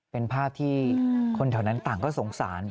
เป็นภาพที่คนแถวนั้นต่างก็สงสาร